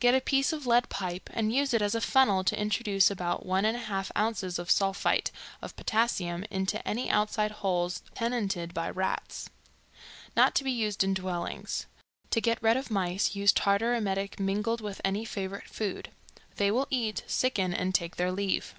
Get a piece of lead pipe and use it as a funnel to introduce about 1 1/2 ounces of sulphite of potassium into any outside holes tenanted by rats. Not to be used in dwellings. To get rid of mice use tartar emetic mingled with any favorite food; they will eat, sicken and take their leave.